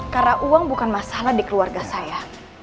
karena uang bukan masalah di keluarga saya